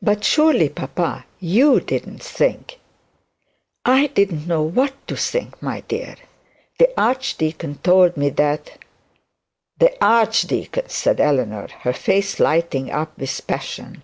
'But surely, papa, you didn't think ' 'I didn't know what to think, my dear. The archdeacon told me that ' 'The archdeacon!' said Eleanor, her face lighting up with passion.